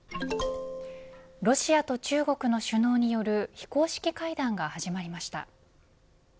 ロシアと中国の首脳による非公式会談が始まりました。